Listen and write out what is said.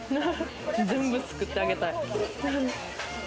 全部すくってあげたい。